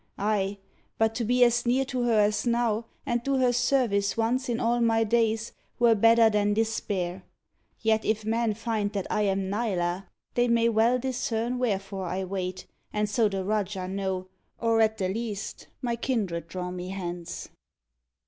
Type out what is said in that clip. Aye I but to be as near to her as now And do her service once in all my days Were better than despair. Yet if men find That I am Nila, they may well discern Wherefore I wait, and so the Rajah know, Or, at the least, my kindred draw me hence."